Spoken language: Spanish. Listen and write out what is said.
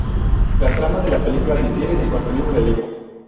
La trama de la película difiere del contenido del libro.